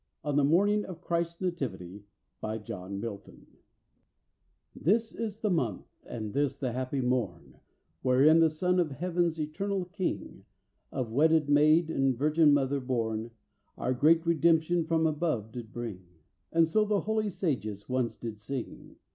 ON THE MORNING OF CHRIST'S NATIVITY BY JOHN MILTON This is the month, and this the happy mom, Wherein the Son of Heaven's eternal King, Of wedded maid and Virgin Mother born, Our great redemption from above did bring; For so the holy sages once did sing.